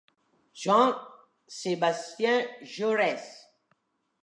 Jean-Sébastien Jaurès